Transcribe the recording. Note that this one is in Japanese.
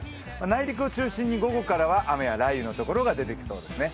内陸を中心に午後から雨や雷雨のところが出てきそうですね。